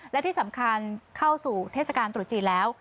และที่สำคัญเข้าสู่เทศกาลตรุษจีนแล้ว